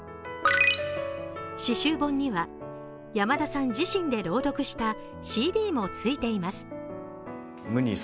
詩集本には山田さん自身で朗読したＣＤもついています。